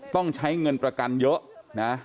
ต้องใช้เงินประกันเยอะนะ